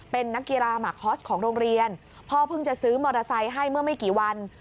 เป็นนักกีฬาหมักฮอสของโรงเรียนพ่อเพิ่งจะซื้อมอเตอร์ไซค์ให้เมื่อไม่กี่วัน